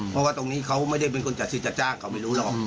เพราะว่าตรงนี้เขาไม่ได้เป็นคนจัดซื้อจัดจ้างเขาไม่รู้หรอก